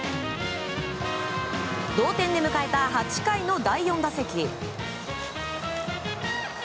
同点で迎えた８回の第４打席。